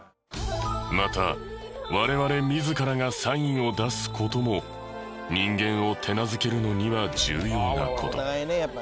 また我々自らがサインを出す事も人間を手なずけるのには重要な事。